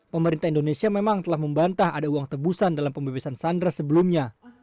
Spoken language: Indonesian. pemerintah indonesia memang telah membantah ada uang tebusan dalam pembebasan sandra sebelumnya